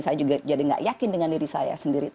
saya juga jadi gak yakin dengan diri saya sendiri